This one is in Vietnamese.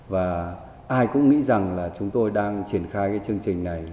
và ai cũng nghĩ rằng là chúng tôi đang triển khai cái chương trình này